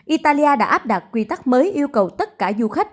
italia đã áp đặt quy tắc mới yêu cầu tất cả du khách